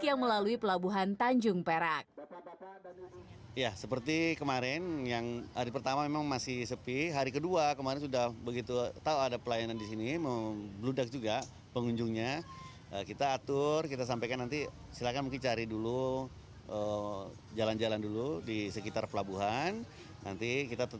yang melalui pelabuhan tanjung perak